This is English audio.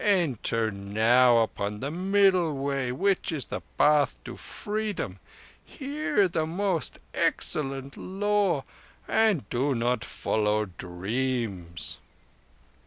Enter now upon the Middle Way which is the path to Freedom. Hear the Most Excellent Law, and do not follow dreams."